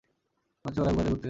মনে হচ্ছে ওরা গুহায় ঘুরতে গেছে।